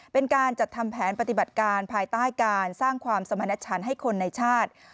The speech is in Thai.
เป็นการจัดทำแผนปฏิบัติการภายใต้การสร้างความสมณชันให้คนในชาติ